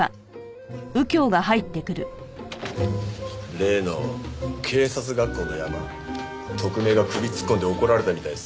例の警察学校のヤマ特命が首突っ込んで怒られたみたいですよ。